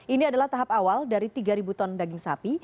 ini adalah tahap awal dari tiga ton daging sapi